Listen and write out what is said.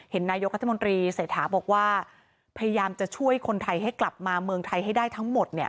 นายกรัฐมนตรีเศรษฐาบอกว่าพยายามจะช่วยคนไทยให้กลับมาเมืองไทยให้ได้ทั้งหมดเนี่ย